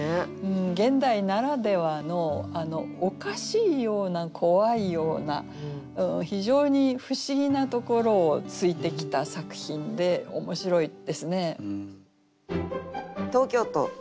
現代ならではのおかしいような怖いような非常に不思議なところを突いてきた作品で面白いですね。